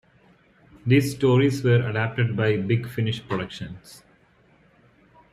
These stories were adapted by Big Finish Productions.